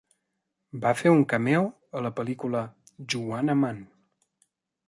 Va fer un cameo a la pel·lícula Juwanna Mann.